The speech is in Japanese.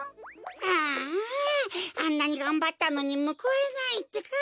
あああんなにがんばったのにむくわれないってか。